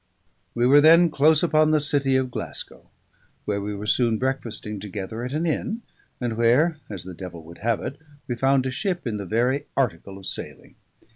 We were then close upon the city of Glascow, where we were soon breakfasting together at an inn, and where (as the devil would have it) we found a ship in the very article of sailing.